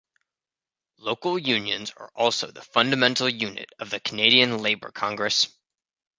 Local unions are also the fundamental unit of the Canadian Labour Congress.